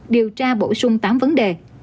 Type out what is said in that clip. điều tra bổ sung tám vấn đề